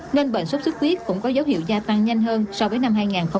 nên bệnh sốt xuất huyết cũng có dấu hiệu gia tăng nhanh hơn so với năm hai nghìn hai mươi một